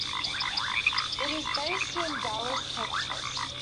It is based in Dallas, Texas.